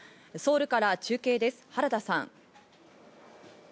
ソウルから中継です、原田さん。